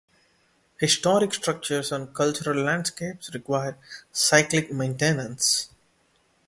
Historic structures and cultural landscapes require cyclic maintenance.